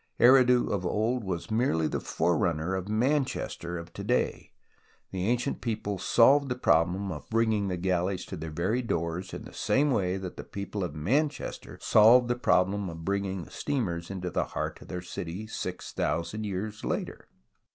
Eridu of old was merely the forerunner of Manchester of to day, and the ancient people solved the problem of bring ing the galleys to their very doors, in the same way that the people of Manchester solved the problem of bringing the steamers into the heart of their city six thousand years later.